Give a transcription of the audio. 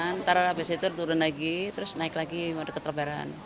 nanti habis itu turun lagi terus naik lagi ke terbaran